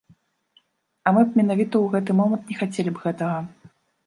А мы б менавіта ў гэты момант не хацелі б гэтага.